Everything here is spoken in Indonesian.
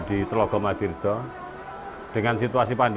tidak bosan alami lah